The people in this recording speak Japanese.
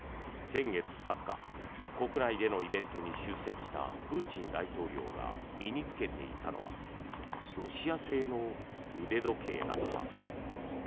先月２０日国内でのイベントに出席したプーチン大統領が身に着けていたのはロシア製の腕時計だった。